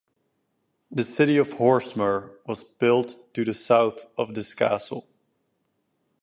The city of Horstmar was built to the south of this castle.